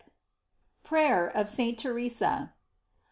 PRAYER OF ST. TERESA.